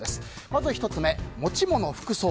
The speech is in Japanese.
まず１つ目、持ち物・服装。